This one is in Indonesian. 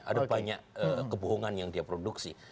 ada banyak kebohongan yang dia produksi